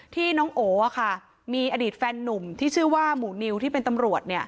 ที่น้องโอมีอดีตแฟนนุ่มที่ชื่อว่าหมู่นิวที่เป็นตำรวจ